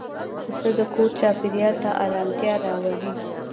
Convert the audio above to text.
پسه د کور چاپېریال ته آرامتیا راولي.